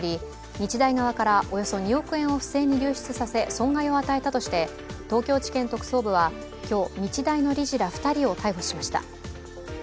日大側からおよそ２億円を不正に流出させ、損害を与えたとして東京地検特捜部は今日、日大の理事ら２人を逮捕しました。